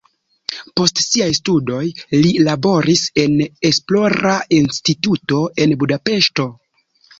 Post siaj studoj li laboris en esplora instituto en Budapeŝto.